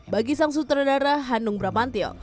bagi sang sutradara hanung bramantio